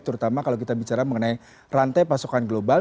terutama kalau kita bicara mengenai rantai pasokan global